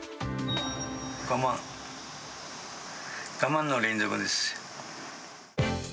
我慢、我慢の連続ですよ。